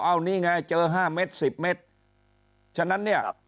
เอานี่ไงเจอ๕เมตร๑๐เมตรฉะนั้นเนี่ย